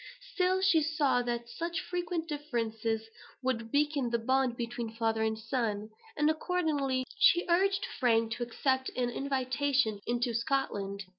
Still she saw that such frequent differences would weaken the bond between father and son; and, accordingly, she urged Frank to accept an invitation into Scotland.